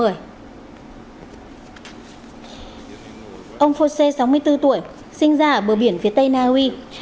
ông fose sáu mươi bốn tuổi sinh ra ở bờ biển phía tây naui